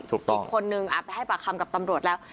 อีกคนนึงไปให้ปากคำกับตำรวจแล้ว